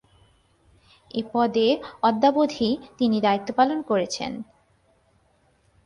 এ পদে অদ্যাবধি তিনি দায়িত্ব পালন করছেন।